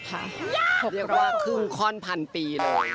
เรียกว่าครึ่งข้อนพันปีเลย